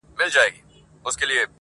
چي تر شپږو میاشتو پوري به